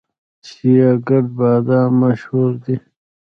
سیاه ګرد بادام مشهور دي؟